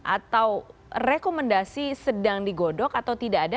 atau rekomendasi sedang digodok atau tidak ada